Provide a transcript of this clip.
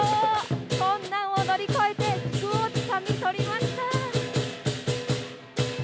困難を乗り越えて福をつかみ取りました。